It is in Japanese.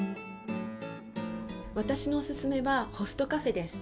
私のおススメはホストカフェです。